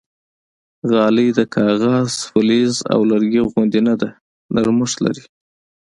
غالۍ د کاغذ، فلز او لرګي غوندې نه ده، نرمښت لري.